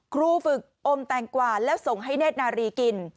ครูฝึกอมแตงกว่าแล้วส่งให้เนธนารีกิน